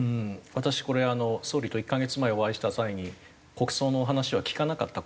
私これ総理と１カ月前お会いした際に国葬のお話は聞かなかった。